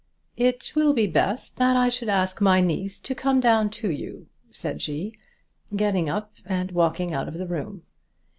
"It will be best that I should ask my niece to come down to you," said she, getting up and walking out of the room.